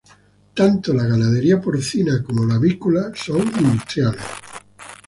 Tanto la ganadería porcina como la avícola son industriales.